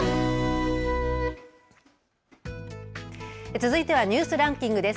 続いてはニュースランキングです。